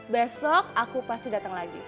besok aku pasti datang lagi